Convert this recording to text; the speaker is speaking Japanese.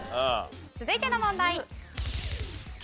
続いての問題。